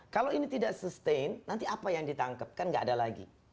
kalau ini tidak sustain nanti apa yang ditangkap kan nggak ada lagi